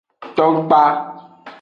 Ton kpa.